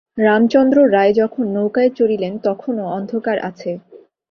রামচন্দ্র রায় যখন নৌকায় চড়িলেন, তখনাে অন্ধকার আছে।